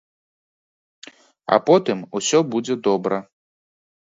А потым усё будзе добра.